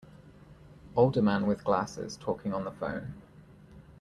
Older man with glasses talking on the phone.